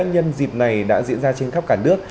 nhân dịp này đã diễn ra trên khắp cả nước